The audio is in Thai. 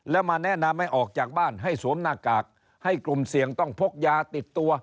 แล้วมาแนะนำให้ออกจากบ้านให้สวมหน้ากากให้กลุ่มเสี่ยงต้องพกยาติดตัว